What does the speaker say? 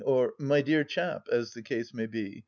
" or " My dear chap !" as the case may be.